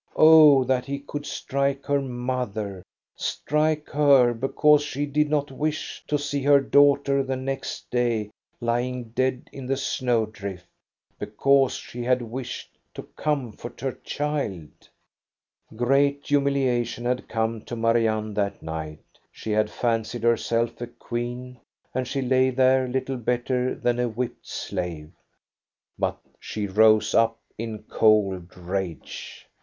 Oh, that he could strike her mother, strike her, because she did not wish to see her daughter the next day lying dead in the snow drift, because she had wished to comfort her child I THE BALL AT EKEBY lOI Great humiliation had come to Marianne that night She had fancied herself a queen, and she lay there little better than a whipped slave. But she rose up in cold rage.